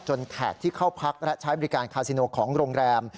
แขกที่เข้าพักและใช้บริการคาซิโนของโรงแรม